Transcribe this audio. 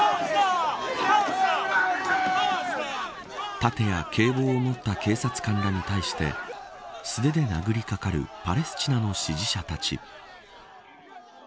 盾や警棒を持った警察官らに対して素手で殴りかかるパレスチナの支持者たち。